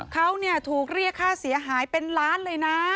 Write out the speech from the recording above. เขาถูกเรียกค่าเสียหายเป็นล้านเลยนะ